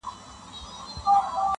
پوليس کور پلټي او هر کونج ته ځي,